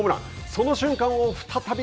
その瞬間を再び。